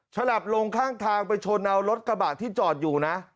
ฉลับลงข้างทางไปชนเอารถกระบะที่จอดอยู่นะ